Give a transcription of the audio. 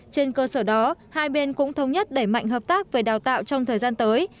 trên cơ sở đó hai bên cũng thống nhất đẩy mạnh hợp tác về đào tạo trong thời gian tới